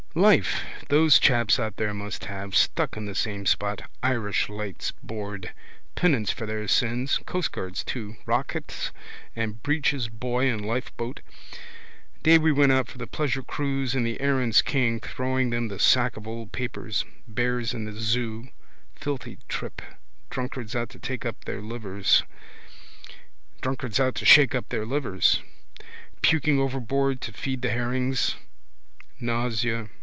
Life those chaps out there must have, stuck in the same spot. Irish Lights board. Penance for their sins. Coastguards too. Rocket and breeches buoy and lifeboat. Day we went out for the pleasure cruise in the Erin's King, throwing them the sack of old papers. Bears in the zoo. Filthy trip. Drunkards out to shake up their livers. Puking overboard to feed the herrings. Nausea.